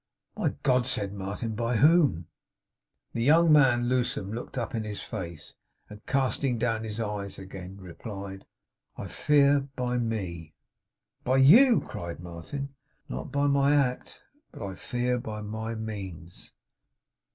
'My God!' said Martin. 'By whom?' The young man, Lewsome, looked up in his face, and casting down his eyes again, replied: 'I fear, by me.' 'By you?' cried Martin. 'Not by my act, but I fear by my means.